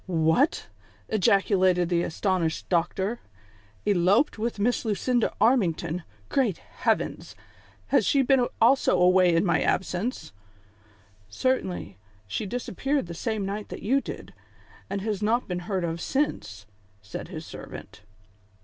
" What ?" ejaculated the astonished doctor, " eloped THE COXSPIEATORS AND LOVERS. Ill "with Miss Liicinda Armington V Great Heavens ! Has she been also away in my absence V ""■ Certainly, she disappeared the same niglit that you did, and has not been heard of since," said his servant.